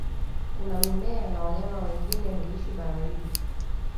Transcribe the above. Kuna mimea na wanyama wengine huishi baharini